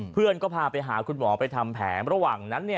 เพื่อนก็พาไปหาคุณหมอไปทำแผนระหว่างนั้น